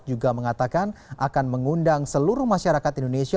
juga mengatakan akan mengundang seluruh masyarakat indonesia